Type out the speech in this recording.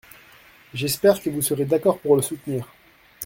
J’espère que vous serez d’accord pour le soutenir.